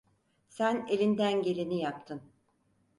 Sen elinden geleni yaptın.